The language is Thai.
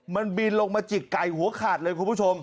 มันบินลงมาจิกไก่หัวขาดเลยคุณผู้ชม